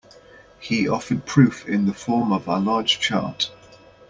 He offered proof in the form of a large chart.